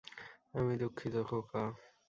আমি দুঃখিত, খোকা।